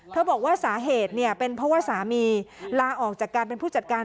บอกว่าสาเหตุเป็นเพราะว่าสามีลาออกจากการเป็นผู้จัดการ